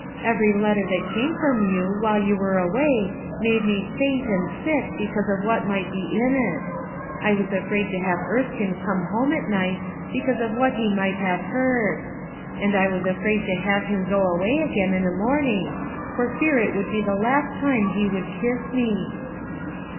Every letter that came from you while you were away made me faint and sick because of what might be in it I was afraid to have Erskinc come homo at night because of what he might have heard; and I was afraid to have him go away again in the morning for fear it would be the last time he would kiss me."